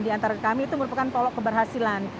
diantara kami itu merupakan polok keberhasilan